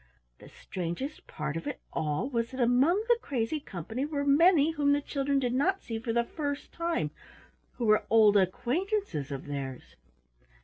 The strangest part of it all was that among that crazy company were many whom the children did not see for the first time, who were old acquaintances of theirs!